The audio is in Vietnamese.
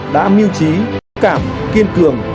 đã mưu trí tự cảm kiên cường